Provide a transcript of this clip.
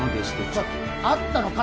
ちょっあったのか？